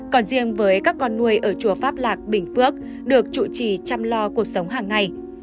còn riêng với các con nuôi ở chùa pháp lạc bình phước được chủ trì chăm lo cuộc sống hàng ngày